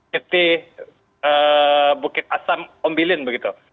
titik bukit asam ombilin begitu